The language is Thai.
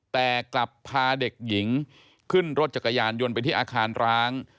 แต่กลับพาเด็กหญิงขึ้นรถจักรยานยนต์ไปที่อาคารร้าง